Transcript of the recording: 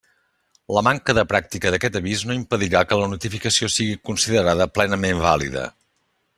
La manca de pràctica d'aquest avís no impedirà que la notificació sigui considerada plenament vàlida.